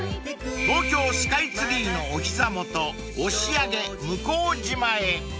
［東京スカイツリーのお膝元押上向島へ］